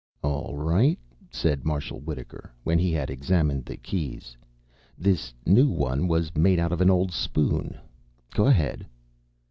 "All right," said Marshal Wittaker, when he had examined the keys. "This new one was made out of an old spoon. Go ahead."